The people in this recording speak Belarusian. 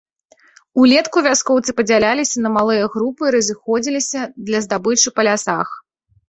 Улетку вяскоўцы падзяляліся на малыя групы і разыходзіліся для здабычы па лясах.